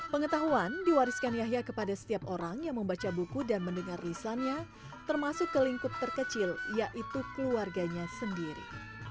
pengetahuan diwariskan yahya kepada setiap orang yang membaca buku dan mendengar lisannya termasuk ke lingkup terkecil yaitu keluarganya sendiri